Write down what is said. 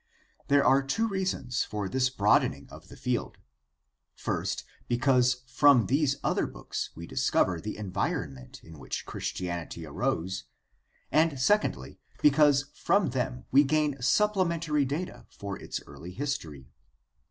There are two reasons for this broadening of the THE STUDY OF THE NEW TESTAMENT 171 field: first, because from these other books we discover the environment in which Christianity arose, and, secondly, because from them we gain supplementary data for its early history.